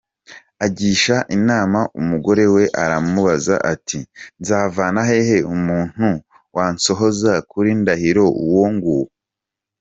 Agisha inama umugore we, aramubaza ati «Nzavana he umuntu wansohoza kuri Ndahiro uwonguwo?».